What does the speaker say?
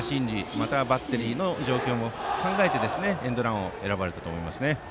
また、バッテリーの状況も考えてエンドランを選ばれたと思います。